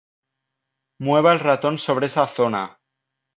mueva el ratón sobre esa zona